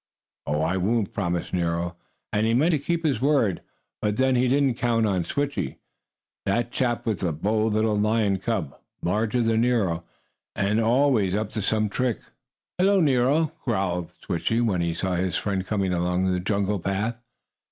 "I won't," promised Nero, and he meant to keep his word, but then he didn't count on Switchie. That chap was a bold little lion cub, larger than Nero, and always up to some trick. "Hello, Nero!" growled Switchie, when he saw his friend coming along the jungle path.